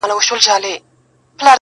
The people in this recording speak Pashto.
انسانيت بايد وساتل سي تل,